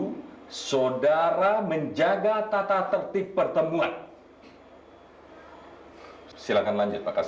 hai saudara menjaga tata tertib pertemuan hai silakan lanjut pakas